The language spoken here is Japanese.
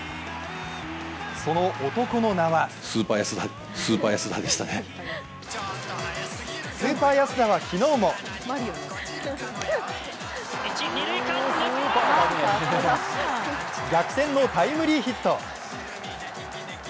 その男の名はスーパー安田は昨日も逆転のタイムリーヒット。